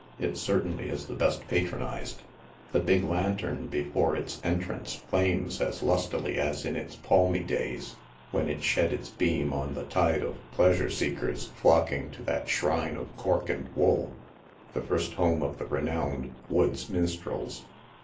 It certainly is the best patronized. The big lantern before its en trance flames as lustily as in its palmy days, when it shed its beams on the tide of pleasure seekers flocking to that shrine of cork and wool— the firstehome of the renowned Wood's Minstrels.